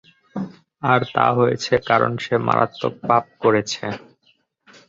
আর তা হয়েছে কারণ সে মারাত্মক পাপ করেছে।